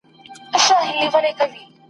پټ په لار کي د ملیار یو ګوندي راسي !.